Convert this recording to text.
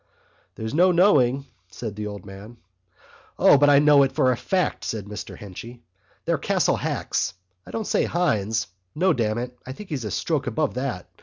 "There's no knowing," said the old man. "O, but I know it for a fact," said Mr Henchy. "They're Castle hacks.... I don't say Hynes.... No, damn it, I think he's a stroke above that....